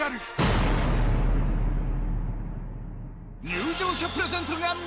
入場者プレゼントがもらえる